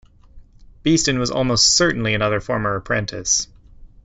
Beeston was almost certainly another former apprentice.